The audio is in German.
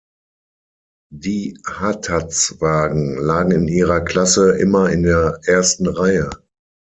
Die Hataz-Wagen lagen in ihrer Klasse immer in der ersten Reihe.